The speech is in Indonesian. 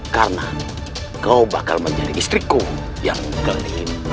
karena kau bakal menjadi istriku yang gelimah